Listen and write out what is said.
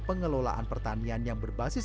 pengelolaan pertanian yang berbasis